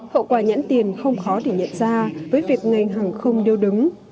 hậu quả nhãn tiền không khó để nhận ra với việc ngành hàng không điêu đứng